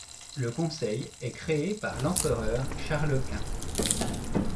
Le Conseil est créé par l'empereur Charles Quint.